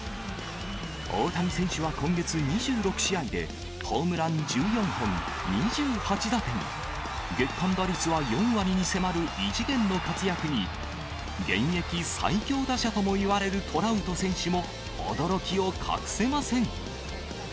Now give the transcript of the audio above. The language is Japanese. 大谷選手は今月２６試合で、ホームラン１４本、２８打点、月間打率は４割に迫る異次元の活躍に、現役最強打者ともいわれるトラウト選手も、驚きを隠せません。